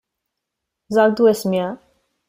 Sag du es mir.